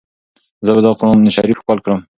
زه به دا قرانشریف ښکل کړم.